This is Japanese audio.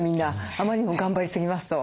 あまりにも頑張りすぎますと。